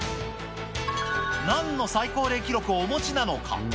なんの最高齢記録をお持ちなのか。